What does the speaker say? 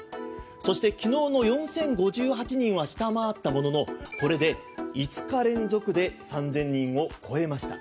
そして、昨日の４０５８人は下回ったもののこれで５日連続で３０００人を超えました。